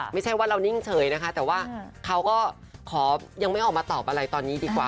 ไม่ใช่ว่าเรานิ่งเฉยนะคะแต่ว่าเขาก็ขอยังไม่ออกมาตอบอะไรตอนนี้ดีกว่า